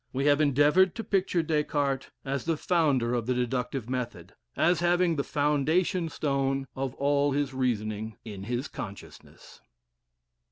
We have endeavored to picture Des Cartes as the founder of the deductive method, as having the foundation stone of all his reasoning in his consciousness.